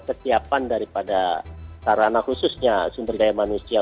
kesiapan daripada sarana khususnya sumber daya manusia